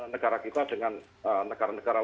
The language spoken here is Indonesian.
negara kita dengan negara negara